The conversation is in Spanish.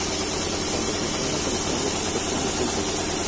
Cuando se enfrentan con extraños responden juntos.